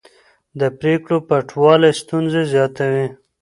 د پرېکړو پټوالی ستونزې زیاتوي